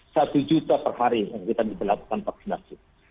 satu juta per hari yang kita bisa lakukan vaksinasi